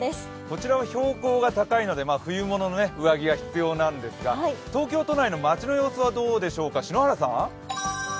こちらは標高が高いので、冬物の上着が必要なんですが東京都内の街の様子はどうでしょうか、篠原さん！